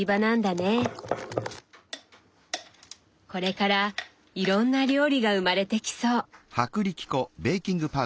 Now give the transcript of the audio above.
これからいろんな料理が生まれてきそう。